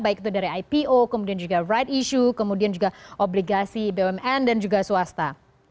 baik itu dari ipo kemudian juga right issue kemudian juga obligasi bumn dan juga swasta